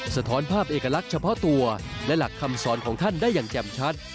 สะท้อนภาพเอกลักษณ์เฉพาะตัวและหลักคำสอนของท่านได้อย่างแจ่มชัด